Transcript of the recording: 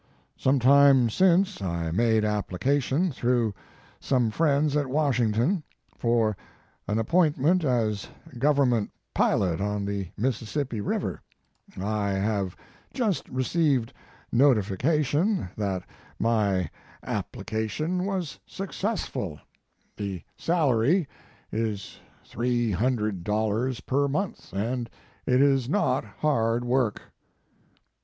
Sometime since I made application through some friends at Washington, for an appointment as Government pilot on the Mississippi River. I have just re ceived notification that my application 58 Mark Twain was successful. The salary is $300 per month, and it is not hard work."